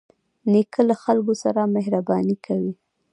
نیکه له خلکو سره مهرباني کوي.